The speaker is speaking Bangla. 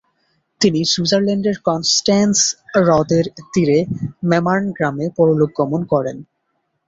তিনি সুইজারল্যান্ডের কনস্ট্যান্স হ্রদের তীরে ম্যামার্ন গ্রামে পরলোকগমন করেন।